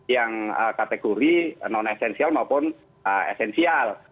yang kategori non esensial maupun esensial